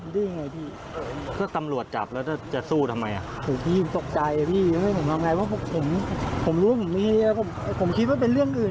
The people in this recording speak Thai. ด้วยไงพี่เพื่อตำรวจจับแล้วจะสู้ทำไมโอ้พี่ตกใจพี่ไม่รู้ว่าเป็นเรื่องอื่น